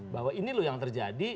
bahwa ini loh yang terjadi